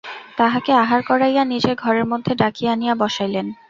তাহাকে আহার করাইয়া নিজের ঘরের মধ্যে ডাকিয়া আনিয়া বসাইলেন।